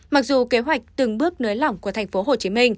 mặc dù kế hoạch từng bước nới lỏng của tp hcm